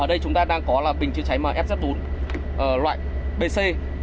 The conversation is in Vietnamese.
ở đây chúng ta đang có là bình chưa cháy mfz bốn loại bc